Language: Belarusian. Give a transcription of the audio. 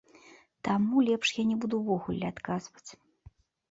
Таму лепш я не буду ўвогуле адказваць.